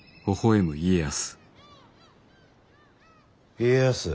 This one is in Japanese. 家康。